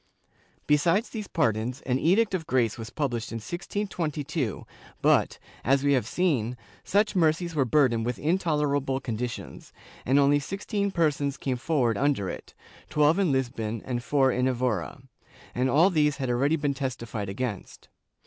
* Besides these pardons an Edict of Grace was pubhshed in 1622 but, as we have seen, such mercies were burdened with intolerable conditions, and only sixteen per sons came forward under it — twelve in Lisbon and four in Evora — and all these had already been testified against.